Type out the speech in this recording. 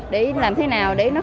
để làm thế nào để nó khó xảy ra